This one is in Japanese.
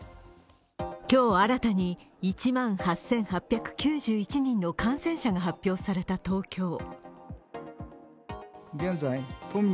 今日新たに、１万８８９１人の感染者が発表された東京。